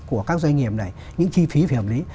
của các doanh nghiệp này những chi phí về hợp lý